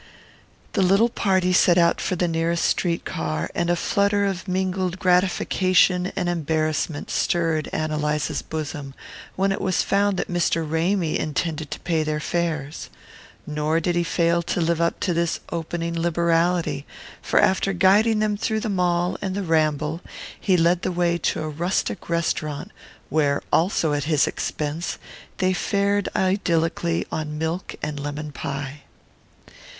The little party set out for the nearest street car, and a flutter of mingled gratification and embarrassment stirred Ann Eliza's bosom when it was found that Mr. Ramy intended to pay their fares. Nor did he fail to live up to this opening liberality; for after guiding them through the Mall and the Ramble he led the way to a rustic restaurant where, also at his expense, they fared idyllically on milk and lemon pie.